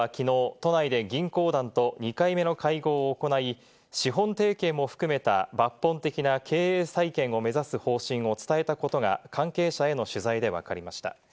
都内で銀行団と２回目の会合を行い、資本提携も含めた、抜本的な経営再建を目指す方針を伝えたことが関係者への取材でわかりました。